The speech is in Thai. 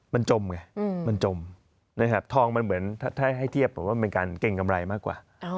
มันจมไงมันจมนะครับทองมันเหมือนถ้าให้เทียบผมว่าเป็นการเกรงกำไรมากกว่า